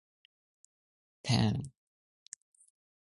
Alstory Simon was formally charged with the murders.